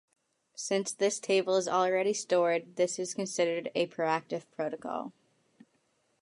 Since this table is already stored, this is considered a proactive protocol.